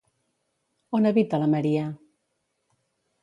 On habita la Maria?